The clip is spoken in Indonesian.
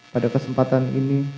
pada kesempatan ini